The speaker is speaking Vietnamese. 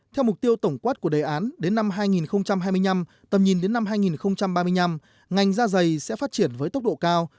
theo mục tiêu tổng quát của đề án đến năm hai nghìn hai mươi năm tầm nhìn đến năm hai nghìn ba mươi năm ngành da dày sẽ phát triển với tốc độ cao